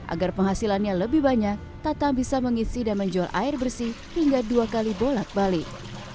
agar penghasilannya lebih banyak tatang bisa mengisi dan menjual air bersih hingga dua kali bolak balik